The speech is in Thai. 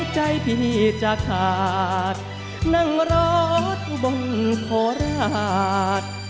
ใจพี่จะขาดนั่งรถบงโคราช